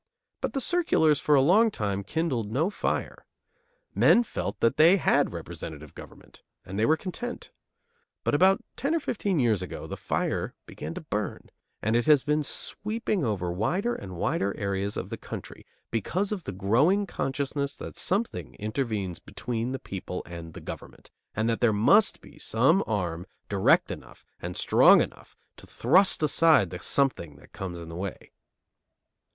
But the circulars for a long time kindled no fire. Men felt that they had representative government and they were content. But about ten or fifteen years ago the fire began to burn, and it has been sweeping over wider and wider areas of the country, because of the growing consciousness that something intervenes between the people and the government, and that there must be some arm direct enough and strong enough to thrust aside the something that comes in the way.